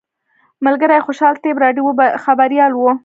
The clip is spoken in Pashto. ملګري خوشحال طیب راډیو خبریال و.